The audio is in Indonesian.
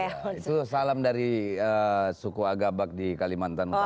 itu salam dari suku agabak di kalimantan utara